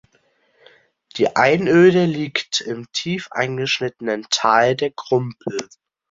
Die Einöde liegt im tief eingeschnittenen Tal der Grümpel.